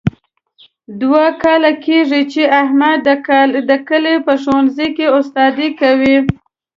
دوه کاله کېږي، چې احمد د کلي په ښوونځۍ کې استادي کوي.